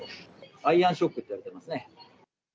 アイアンショックといわれていますね。